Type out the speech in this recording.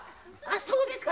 そうですか。